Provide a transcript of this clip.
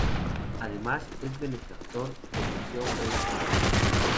Además es benefactor del Museo Franz Mayer.